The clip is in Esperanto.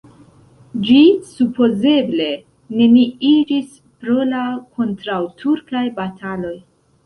Ĝi supozeble neniiĝis pro la kontraŭturkaj bataloj.